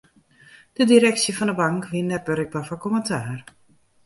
De direksje fan 'e bank wie net berikber foar kommentaar.